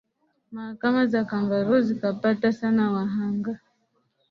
Mahakama za kangaroo zikapata sana wahanga